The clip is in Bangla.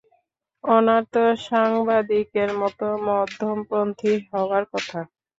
ওনার তো সাংবাদিকের মতো মধ্যমপন্থী হওয়ার কথা।